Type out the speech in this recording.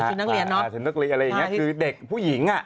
อะไรอย่างนี้คือเด็กผู้หญิง